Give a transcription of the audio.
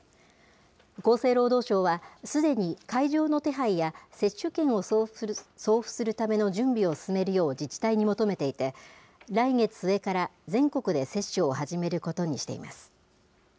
厚生労働省は、すでに会場の手配や接種券を送付するための準備を進めるよう自治体に求めていて、来月末から全国で接種を始めることにしています。